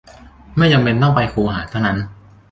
ไม่จำเป็นต้องไปคูหาเท่านั้น